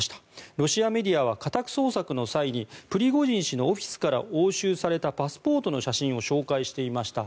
ロシアメディアは家宅捜索の際にプリゴジン氏のオフィスから押収されたパスポートの写真を紹介していました。